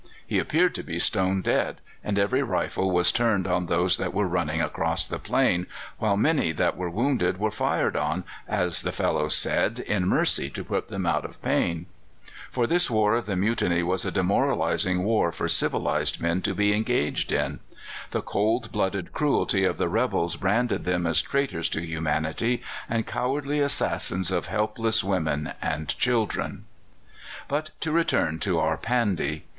He appeared to be stone dead, and every rifle was turned on those that were running across the plain, while many that were wounded were fired on, as the fellows said, in mercy to put them out of pain. For this war of the Mutiny was a demoralizing war for civilized men to be engaged in. The cold blooded cruelty of the rebels branded them as traitors to humanity and cowardly assassins of helpless women and children. But to return to our Pandy.